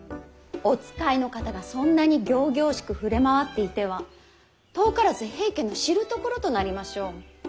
お使いの方がそんなに仰々しく触れ回っていては遠からず平家の知るところとなりましょう。